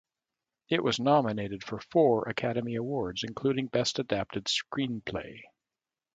It was nominated for four Academy Awards, including Best Adapted Screenplay.